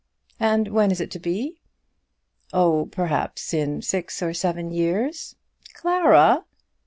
"And when is it to be?" "Oh, perhaps in six or seven years." "Clara!"